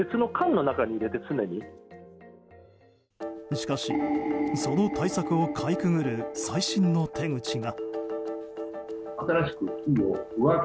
しかし、その対策をかいくぐる最新の手口が。